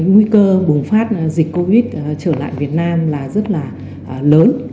nguy cơ bùng phát dịch covid trở lại việt nam là rất là lớn